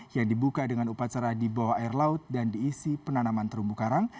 yang dibuka dengan upacara di bawah air laut dan diisi penanaman terumbu karang